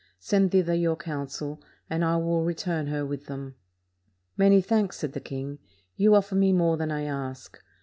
Send thither your council, and I will return her with them." " Many thanks," said the king: "you offer me more than I ask.